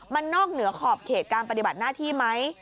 มันนอกเหนือขอบเขตการปฏิบัติหน้าที่ไหม